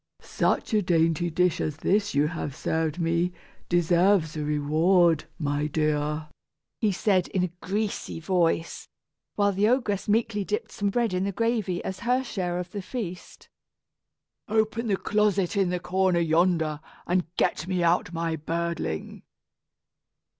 "Such a dainty dish as this you have served me deserves a reward, my dear," he said in a greasy voice, while the ogress meekly dipped some bread in the gravy as her share of the feast. "Open the closet in the corner yonder, and get me out my birdling."